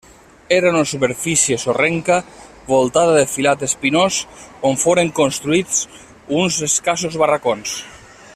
Era una superfície sorrenca voltada de filat espinós on foren construïts uns escassos barracons.